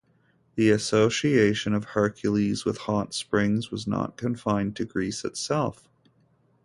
The association of Hercules with hot springs was not confined to Greece itself.